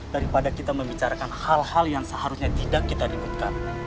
daripada kita membicarakan hal hal yang seharusnya tidak kita ributkan